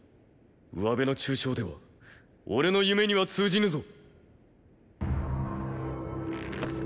上辺の中傷では俺の夢には通じぬぞ。